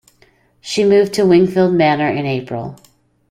She moved to Wingfield Manor in April.